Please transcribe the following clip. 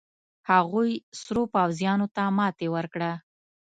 هغوې سرو پوځيانو ته ماتې ورکړه.